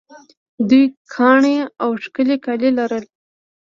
دوی ګاڼې او ښکلي کالي لرل